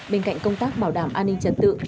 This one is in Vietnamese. bên cạnh công tác bảo đảm an ninh trật tự